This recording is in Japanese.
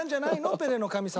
ペレの神様が。